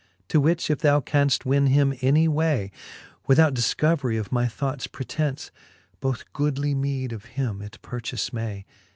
To which if thou canft win him any way, Without difcoverie of my thoughts pretence, Both goodly meede of him it purchafe may.